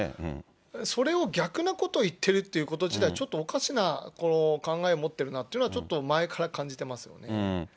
それを逆のことを言っているということ自体、ちょっとおかしな考えを持っているなというのは、ちょっと前から感じてますよね。